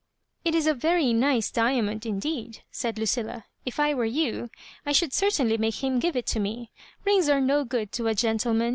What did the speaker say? " It is a very nice diamond indeed," said Lu cilla ;" if I were you I should certainly make him give it to me— rin{^ are no good to a gentleman.